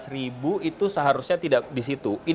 lima belas ribu itu seharusnya tidak di situ